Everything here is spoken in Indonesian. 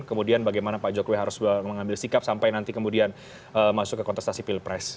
kemudian bagaimana pak jokowi harus mengambil sikap sampai nanti kemudian masuk ke kontestasi pilpres